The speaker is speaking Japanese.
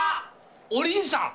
お凛さん！